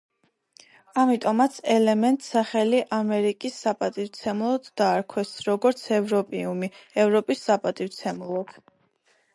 ამიტომაც ელემენტს სახელი ამერიკის საპატივცემლოდ დაარქვეს, როგორც ევროპიუმი, ევროპის საპატივცემულოდ.